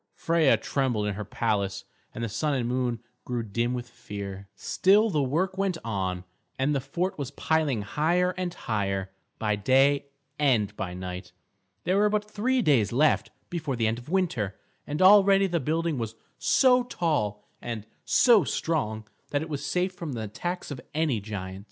Freia trembled in her palace, and the Sun and Moon grew dim with fear. Still the work went on, and the fort was piling higher and higher, by day and by night. There were but three days left before the end of winter, and already the building was so tall and so strong that it was safe from the attacks of any giant.